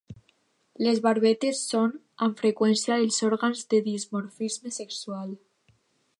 Les barbetes són amb freqüència els òrgans de dimorfisme sexual.